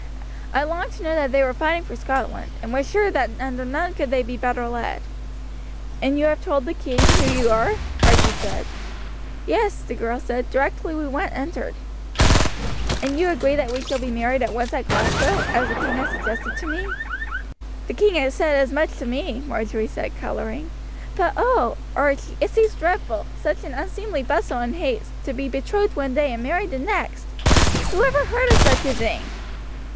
I longed to know that they were fighting for Scotland, and was sure that under none could they be better led." "And you have told the king who you are?" Archie asked. "Yes," the girl said, "directly we entered." "And you agree that we shall be married at once at Glasgow, as the king has suggested to me?" "The king said as much to me," Marjory said, colouring; "but oh! Archie, it seems dreadful, such an unseemly bustle and haste, to be betrothed one day and married the next! Whoever heard of such a thing?"